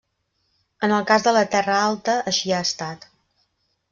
En el cas de la Terra alta així ha estat.